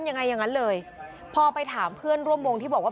อย่างนั้นเลยพอไปถามเพื่อนร่วมวงที่บอกว่า